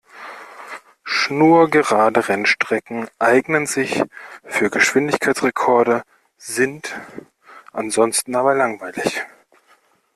Schnurgerade Rennstrecken eignen sich für Geschwindigkeitsrekorde, sind ansonsten aber langweilig.